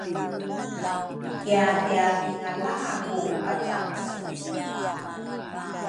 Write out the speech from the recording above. Kiathiathiathingala ku pacase